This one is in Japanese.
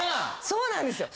そうなんですよ！